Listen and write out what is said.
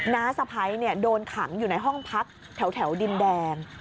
น้าสะพ้ายโดนขังอยู่ในห้องพักแถวดินแดง